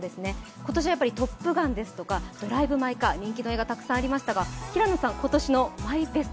今年は「トップガン」ですとか「ドライブ・マイ・カー」、人気の映画たくさんありましたが平野さん今年のマイベスト